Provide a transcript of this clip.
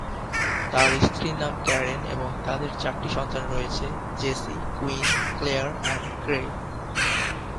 তার স্ত্রীর নাম ক্যারেন, এবং তাদের চারটি সন্তান রয়েছে: জেসি, কুইন, ক্লেয়ার এবং গ্রে।